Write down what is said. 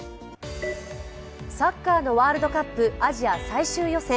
サッカーのワールドカップアジア最終予選。